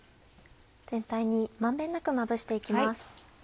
全体に満遍なくまぶして行きます。